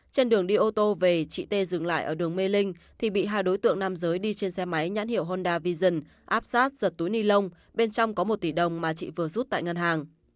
trên đường đi ô tô về chị tê dừng lại ở đường mê linh thì bị hai đối tượng nam giới đi trên xe máy nhãn hiệu honda vision áp sát giật túi ni lông bên trong có một tỷ đồng mà chị vừa rút tại ngân hàng